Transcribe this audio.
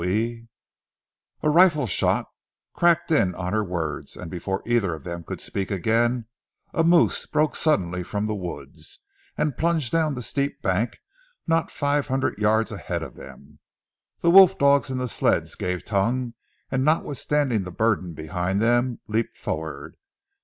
We " A rifle shot cracked in on her words, and before either of them could speak again, a moose broke suddenly from the woods, and plunged down the steep bank not five hundred yards ahead of them. The wolf dogs in the sleds gave tongue, and notwithstanding the burden behind them, leaped forward.